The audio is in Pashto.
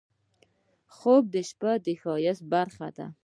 خوب د شپه د ښایست برخه ده